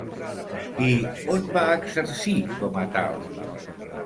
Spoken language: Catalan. I on va exercir com a tal?